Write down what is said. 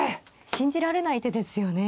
信じられない手ですよね。